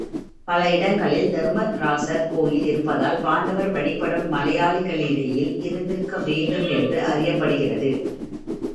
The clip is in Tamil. பல இடங்களில் தருமராசர் கோயில் இருப்பதால் பாண்டவர் வழிபாடும் மலையாளிகளிடையில் இருந்திருக்க வேண்டும் என்று அறியப்படுகிறது.